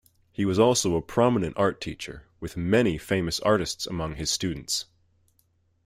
He was also a prominent art teacher, with many famous artists among his students.